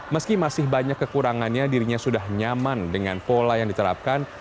meski masih banyak kekurangannya dirinya sudah nyaman dengan pola yang diterapkan